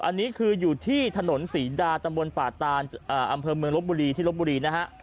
อันนี้คืออยู่ที่ถนนศรีดาตำบลป่าตานอำเภอเมืองลบบุรีที่ลบบุรีนะฮะ